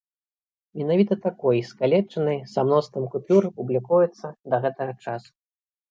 Менавіта такой, скалечанай, са мноствам купюр, публікуецца да гэтага часу.